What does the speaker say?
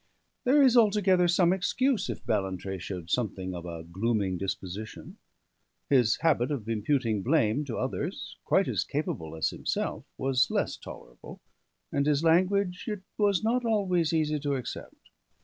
There is altogether some excuse if Ballantrae showed something of a glooming disposition; his habit of imputing blame to others, quite as capable as himself, was less tolerable, and his language it was not always easy to accept.